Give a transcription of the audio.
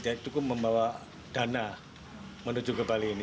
tidak membawa cukup membawa dana menuju ke bali ini